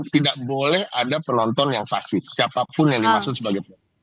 tidak boleh ada penonton yang pasif siapapun yang dimaksud sebagai penonton